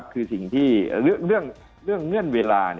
คือสิ่งที่เรื่องเงื่อนเวลา